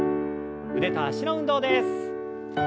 腕と脚の運動です。